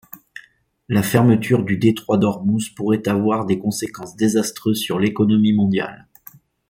La fermeture du détroit d’Ormuz pourrait avoir des conséquences désastreuses sur l’économie mondiale.